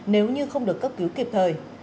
nếu như không được cấp cứu kịp thời